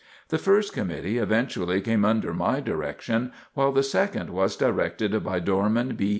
The first committee eventually came under my direction, while the second was directed by Dorman B.